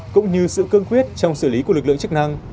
cũng như sự cương quyết trong xử lý của lực lượng chức năng